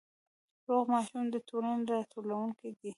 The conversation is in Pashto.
روغ ماشوم د ټولنې راتلونکی دی۔